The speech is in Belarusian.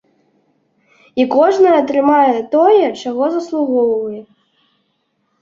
І кожны атрымае тое, чаго заслугоўвае.